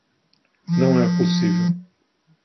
Não é possível!